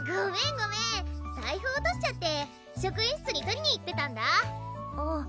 ごめん財布落としちゃって職員室に取りに行ってたんだあぁ